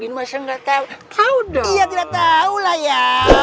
iya tidak tau lah